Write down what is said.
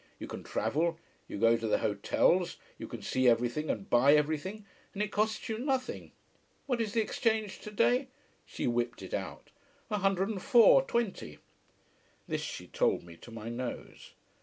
You can travel, you go to the hotels, you can see everything and buy everything, and it costs you nothing. What is the exchange today? She whipped it out. A hundred and four, twenty. This she told me to my nose.